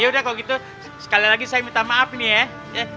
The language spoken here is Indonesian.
ya udah kalau gitu sekali lagi saya minta maaf nih ya